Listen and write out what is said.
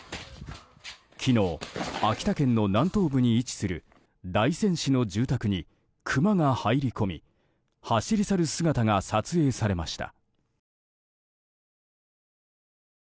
昨日、秋田県の南東部に位置する大仙市の住宅にクマが入り込み走り去る姿が撮影されました。